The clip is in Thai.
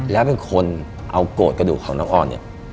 แล้วเป็นคนเอาโกรธกระดูกของน้องออนเนี่ย